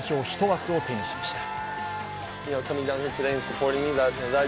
１枠を手にしました。